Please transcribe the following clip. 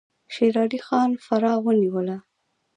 شیر علي خان فراه ونیوله.